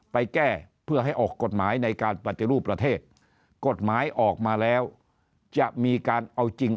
ไปแก้เพื่อให้ออกกฎหมายในการปฏิรูปประเทศกฎหมายออกมาแล้วจะมีการเอาจริง